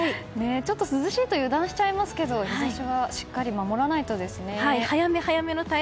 ちょっと涼しいと油断しちゃいますけど日差しはしっかり守らないとですね。